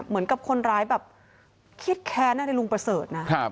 เหมือนกับคนร้ายแบบเครียดแค้นอะไรลุงประเสริฐนะ